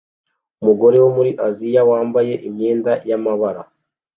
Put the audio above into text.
Umugore wo muri Aziya wambaye imyenda yamabara